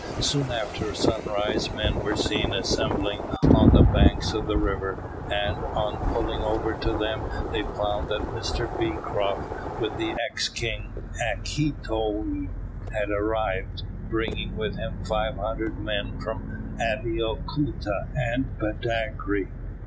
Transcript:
Soon after sunrise men were seen assembling on the banks of the river, and, on pulling over to them, they found that Mr Beecroft, with the ex king, Akitoye, had arrived, bringing with him 500 men from Abeokuta and Badagry.